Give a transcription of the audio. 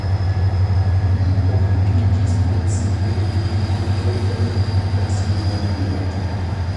Li okupiĝis precipe pri montoj en Transilvanio.